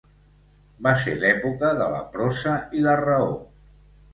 Va ser l'època de la prosa i la raó.